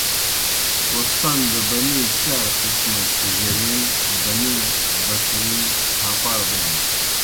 کوستان دہ بَنِی چار قِسمہ جرِیݨ، بَنِی، بٹرِیں، تھاپاڑ بینَن۔